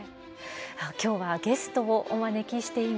今日はゲストをお招きしています。